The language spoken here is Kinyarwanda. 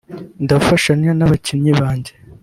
ndafashanya n’abakinnyi banjye